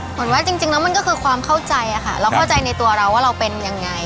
เหมือนว่าจริงแล้วมันก็คือความเข้าใจค่ะเราเข้าใจในตัวเราว่าเราเป็นยังไง